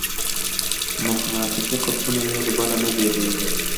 مقناطیسي قطبونه یو له بله نه بېلېږي.